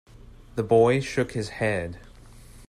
The boy shook his head.